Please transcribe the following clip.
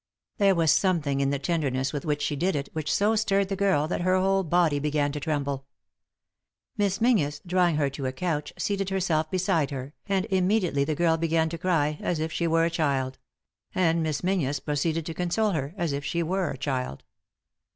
There was something in the, tenderness with which she did it which so stirred the girl that her whole body began to tremble. Miss Menzies, drawing her to a 132 ;«y?e.c.V GOOglC THE INTERRUPTED KISS conch, seated herself beside her, and immediately the girl began to cry, as if she were a child ; and Miss Menzies proceeded to console her, as if she were a child.